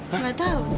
nggak tahu nek